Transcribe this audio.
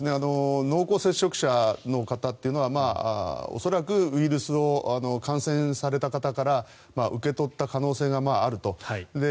濃厚接触者の方というのは恐らくウイルスを感染された方から受け取った可能性があると。